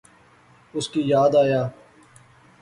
اس کی یاد آیا